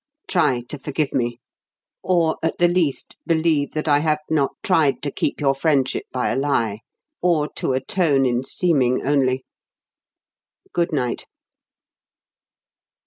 Try to forgive me; or, at the least, believe that I have not tried to keep your friendship by a lie, or to atone in seeming only. Good night."